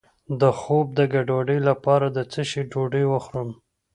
د خوب د ګډوډۍ لپاره د څه شي ډوډۍ وخورم؟